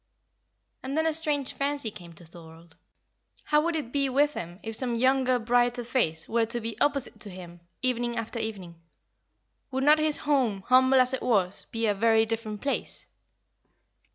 And then a strange fancy came to Thorold. How would it be with him if some younger, brighter face were to be opposite to him, evening after evening. Would not his home, humble as it was, be a very different place?